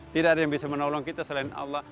tidak ada yang bisa menolong kita selain allah